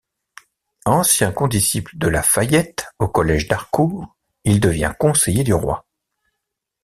Ancien condisciple de La Fayette au Collège d'Harcourt, il devient conseiller du roi.